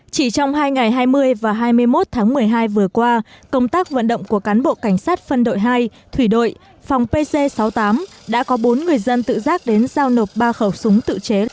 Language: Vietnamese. chỉ trong hai ngày hai mươi và hai mươi một tháng một mươi hai vừa qua công tác vận động của cán bộ cảnh sát phân đội hai thủy đội phòng pc sáu mươi tám đã có bốn người dân tự giác đến giao nộp ba khẩu súng tự chế